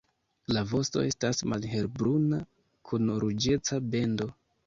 La vosto estas malhelbruna, kun ruĝeca bendo.